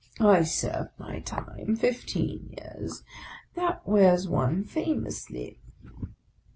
I served my time; fifteen years. That wears one famously!